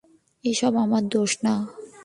এসব আমার দোষ না!